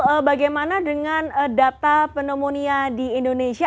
pak syahril bagaimana dengan data pneumonia di indonesia